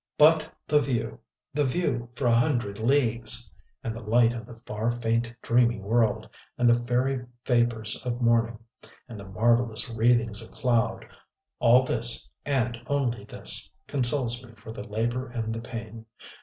But the view the view for a hundred leagues, and the light of the far faint dreamy world, and the fairy vapors of morning, and the marvellous wreathings of cloud: all this, and only this, consoles me for the labor and the pain....